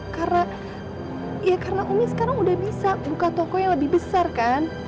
karena ya karena umi sekarang udah bisa buka toko yang lebih besar kan